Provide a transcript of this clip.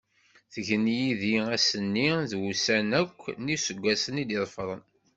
Tgen yid-i ass-nni, d wussan akk n useggas i d-iḍefren.